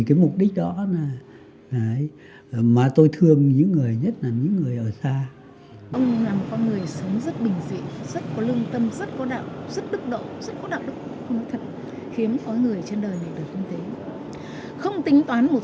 không tính toán một xu một hào nào không nói thế